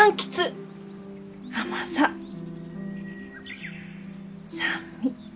甘さ酸味。